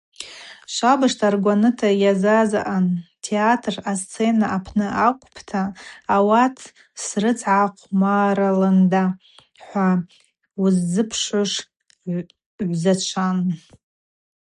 Швабыжта аргваныта йазазаъан атеатр, асцена апны акӏвпӏта – ауат срыцгӏахъвмарланда – хӏва уыззыпшгӏуш гӏвзачван.